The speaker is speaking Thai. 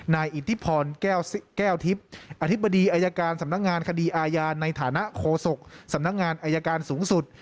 อิทธิพรแก้วทิพย์อธิบดีอายการสำนักงานคดีอาญาในฐานะโคศกสำนักงานอายการสูงสุด